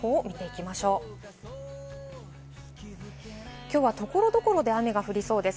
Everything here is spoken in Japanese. きょうは所々で雨が降りそうです。